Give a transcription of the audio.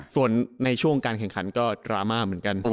ส่วนในช่วงการแข่งขันก็ดราม่าเหมือนกัน